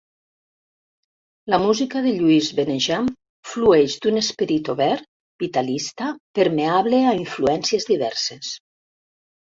La música de Lluís Benejam flueix d'un esperit obert, vitalista, permeable a influències diverses.